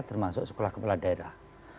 termasuk sekolah kepala daerah